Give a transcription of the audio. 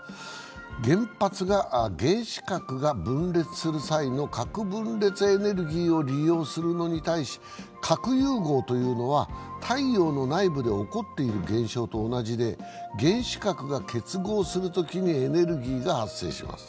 原発が、原子核が分裂する際の核分裂エネルギーを利用するのに対し核融合というのは太陽の内部で起こっている現象と同じで原子核が結合するときにエネルギーが発生します。